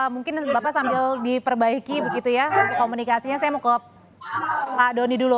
mungkin bapak sambil diperbaiki begitu ya untuk komunikasinya saya mau ke pak doni dulu